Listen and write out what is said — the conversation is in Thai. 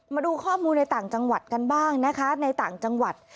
มาดูข้อมูลในต่างจังหวัดกันบ้างนะคะในต่างจังหวัด